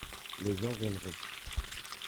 Les gens viendront.